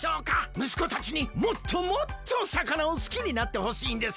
むすこたちにもっともっと魚を好きになってほしいんです。